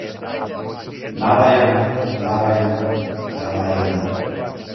нарајан нарајан рамајана